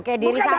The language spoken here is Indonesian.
oke diri safal